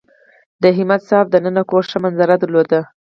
د همت صاحب دننه کور ښه منظره درلوده.